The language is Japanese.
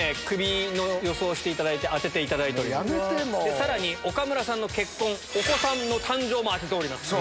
さらに岡村さんの結婚、お子さんの誕生も当てております。